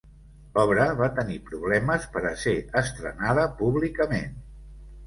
L'obra va tenir problemes per a ser estrenada públicament.